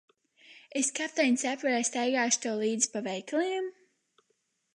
Es kapteiņa cepurē staigāšu tev līdzi pa veikaliem?